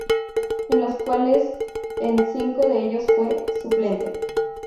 En los cuales en cinco de ellos fue suplente.